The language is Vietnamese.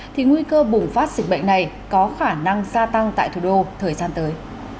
thì nguy cơ bùng phát dịch bệnh này có khả năng gia tăng tại thủ đô thời gian tới